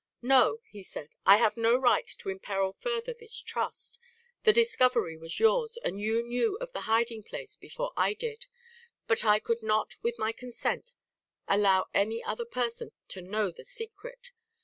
"No!" he said, "I have no right to imperil further this trust. The discovery was yours, and you knew of the hiding place before I did; but I could not with my consent allow any other person to know the secret.